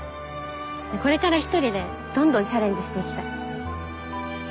これから１人でどんどんチャレンジして行きたい。